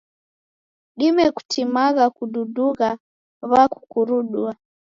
Dime kutimagha kududugha w'akukurudua.